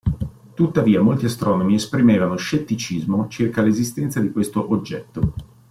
Tuttavia, molti astronomi esprimevano scetticismo circa l'esistenza di questo oggetto.